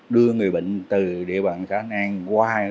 đưa người bệnh từ địa bàn xã thạch an qua